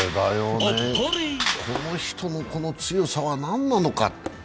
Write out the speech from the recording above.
この人のこの強さはなんなのか。